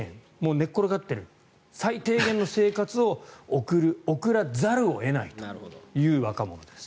寝っ転がってる最低限の生活を送らざるを得ないという若者です。